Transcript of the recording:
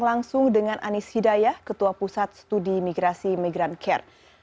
berbincang langsung dengan anis hidayah ketua pusat studi migrasi migrancare